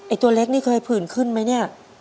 ตัวเล็กนี่เคยผื่นขึ้นไหมเนี่ย